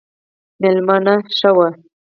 مېلمانه ښه وو